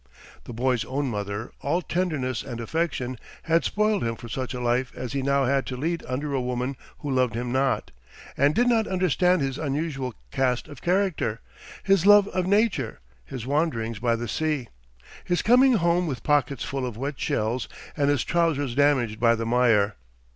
The boy's own mother, all tenderness and affection, had spoiled him for such a life as he now had to lead under a woman who loved him not, and did not understand his unusual cast of character, his love of nature, his wanderings by the sea, his coming home with his pockets full of wet shells and his trousers damaged by the mire.